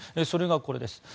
それがこれです。